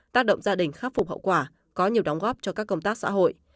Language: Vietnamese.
tác động gia đình khắc phục hậu quả có nhiều đóng góp cho các công tác xã hội